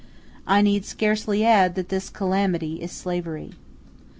I need scarcely add that this calamity is slavery.